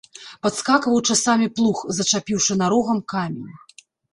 Падскакваў часамі плуг, зачапіўшы нарогам камень.